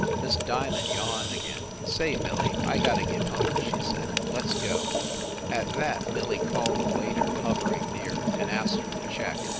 Miss Diamond yawned again. "Say, Millie, I got to get home," she said. "Let s go." At that, Millie called the waiter hovering near, and asked for the check.